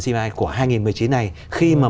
cpi của hai nghìn một mươi chín này khi mà